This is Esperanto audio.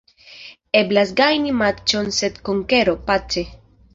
Eblas gajni matĉon sen konkero, pace.